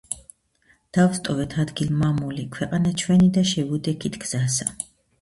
დავსტოვეთ ადგილ-მამული, ქვეყანა ჩვენი და შევუდექით გზასა